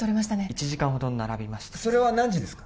１時間ほど並びましたそれは何時ですか？